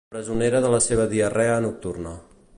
Presonera de la seva diarrea nocturna.